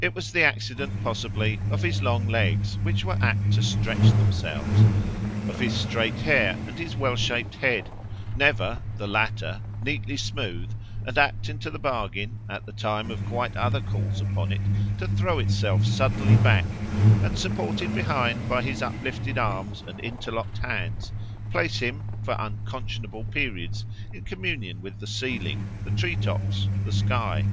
It was the accident, possibly, of his long legs, which were apt to stretch themselves; of his straight hair and his well shaped head, never, the latter, neatly smooth, and apt into the bargain, at the time of quite other calls upon it, to throw itself suddenly back and, supported behind by his uplifted arms and interlocked hands, place him for unconscionable periods in communion with the ceiling, the tree tops, the sky.